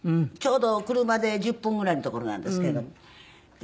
ちょうど車で１０分ぐらいの所なんですけれども。